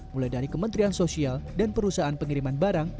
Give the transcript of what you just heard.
mulai dari kementerian sosial dan perusahaan pengiriman barang